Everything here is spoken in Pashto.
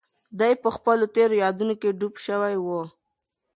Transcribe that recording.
دی په خپلو تېرو یادونو کې ډوب شوی و.